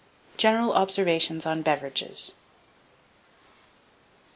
GENERAL OBSERVATIONS ON BEVERAGES.